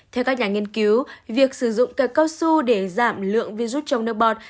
theo các nhà nghiên cứu việc sử dụng cit cao su để giảm lượng virus trong nước bọt